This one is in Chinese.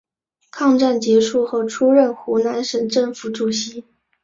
抗战结束后出任湖南省政府主席。